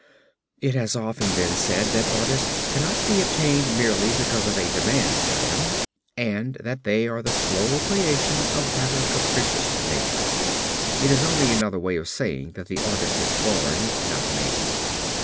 It has often been said that artists cannot be obtained merely because of a demand for them and that they are the slow creation of rather capricious nature. It is only another way of saying that the artist is born, not made.